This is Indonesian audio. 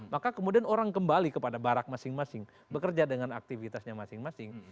maka kemudian orang kembali kepada barak masing masing bekerja dengan aktivitasnya masing masing